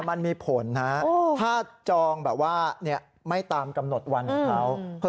มันมีผลนะฮะถ้าจองแบบว่าเนี่ยไม่ตามกำหนดวันสิครับ